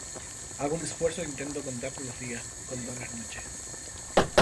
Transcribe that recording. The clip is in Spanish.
Hago un esfuerzo e intento contar los días, contar las noches.